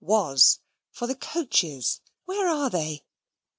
was; for the coaches, where are they?)